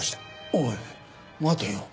おい待てよ。